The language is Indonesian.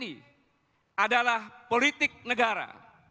politik tni adalah politik negara